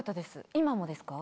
今もですか？